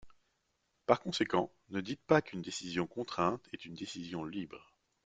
Par conséquent, ne dites pas qu’une décision contrainte est une décision libre.